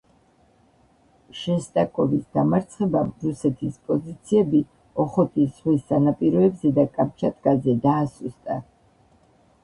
შესტაკოვის დამარცხებამ რუსეთის პოზიციები ოხოტის ზღვის სანაპიროებზე და კამჩატკაზე დაასუსტა.